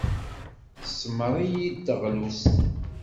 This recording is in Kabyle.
Tesmar-iyi-d taɣlust.